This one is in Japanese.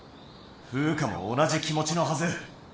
フウカも同じ気持ちのはず。